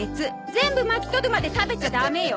全部巻き取るまで食べちゃダメよ。